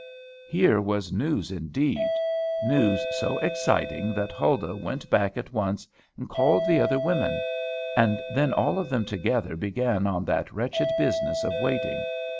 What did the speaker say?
Here was news indeed! news so exciting that Huldah went back at once, and called the other women; and then all of them together began on that wretched business of waiting.